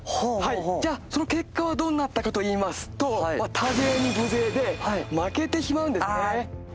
じゃあその結果はどうなったかといいますと多勢に無勢で負けてしまうんですね。